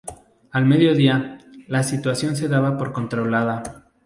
Al mediodía, la situación se daba por controlada.